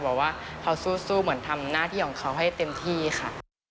บอกว่าเขาสู้เหมือนทำหน้าที่ของเขาให้เต็มที่ค่ะ